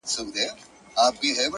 • ددغه خلگو په كار؛ كار مه لره؛